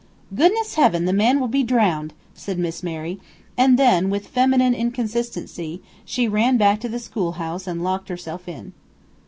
"Goodness heavens! the man will be drowned!" said Miss Mary; and then, with feminine inconsistency, she ran back to the schoolhouse and locked herself in.